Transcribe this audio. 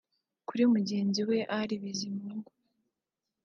Kuri mugenzi we Ali Bizimungu